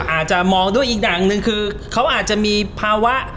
อาจจะมองด้วยอีกอย่างหนึ่งคือเขาอาจจะมีภาวะ